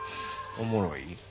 おもろい？